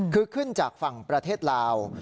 คือขึ้นจากฝั่งประเทศลาว